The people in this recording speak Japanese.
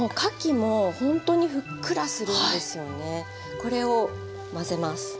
これを混ぜます。